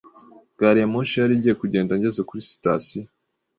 Gari ya moshi yari igiye kugenda ngeze kuri sitasiyo.